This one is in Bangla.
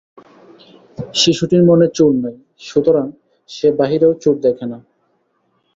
শিশুটির মনে চোর নাই, সুতরাং সে বাহিরেও চোর দেখে না।